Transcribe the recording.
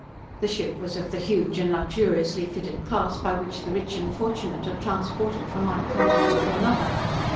The ship was of the huge and luxuriously fitted class by which the rich and fortunate are transported from one continent to another.